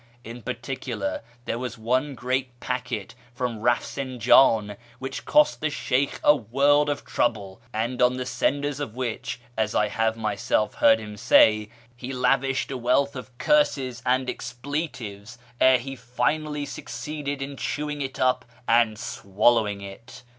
In particular there was one great packet from Eafsinjan which cost the Sheykh a world of trouble, and on the senders of which, as I have myself heard him say, he lavished a wealth of curses and expletives ere he finally succeeded in chewing it up and swallowing it.